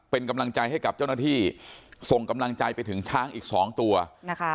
เป็นกำลังใจให้กับเจ้าหน้าที่ส่งกำลังใจไปถึงช้างอีกสองตัวนะคะ